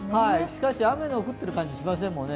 しかし、雨の降っている感じはしませんね。